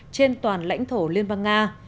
trên toàn lãnh thổ liên bang nga